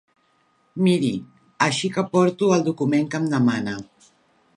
Miri, així que porto el document que em demana.